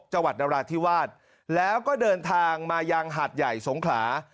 จังหวัดนราธิวาสแล้วก็เดินทางมายังหาดใหญ่สงขลา